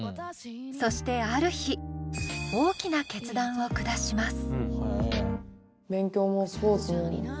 そしてある日大きな決断を下します。